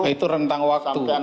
itu rentang waktu